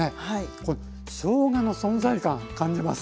これしょうがの存在感感じます。